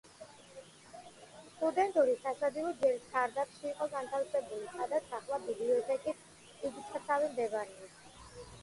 სტუდენტური სასადილო ჯერ სარდაფში იყო განთავსებული, სადაც ახლა ბიბლიოთეკის წიგნთსაცავი მდებარეობს.